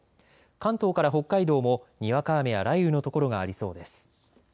関東から北海道も、にわか雨や雷雨の所がありそうです。